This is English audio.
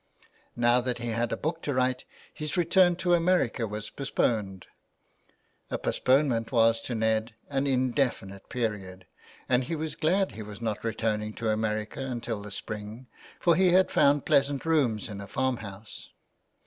Now that he had a book to write, his return to America was postponed ; a postponement was to Ned an indefinite period, and he was glad he was not returning to America till the Spring, for he had found pleasant rooms in a farm house.